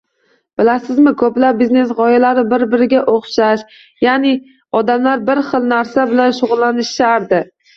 Bilasizmi, koʻplab biznes gʻoyalari bir-biriga oʻxshash, yaʼni odamlar bir xil narsa bilan shugʻullanishardi.